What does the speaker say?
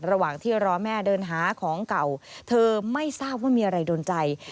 ระหว่างที่รอแม่เดินหาของเก่าเธอไม่ทราบว่ามีอะไรโดนใจ